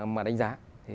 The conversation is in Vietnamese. mà đánh giá